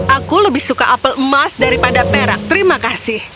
aku lebih suka apel emas daripada perak terima kasih